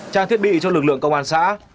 trang thiết bị cho lực lượng công an xã